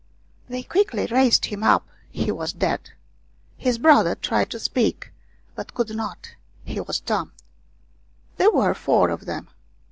They quickly raised him up he was dead. His brother tried to speak, but could not he was dumb. There were four of them.